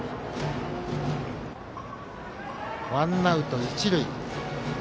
ワンアウト一塁。